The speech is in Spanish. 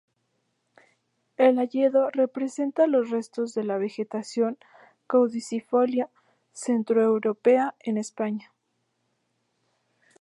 El hayedo representa los restos de la vegetación caducifolia centroeuropea en España.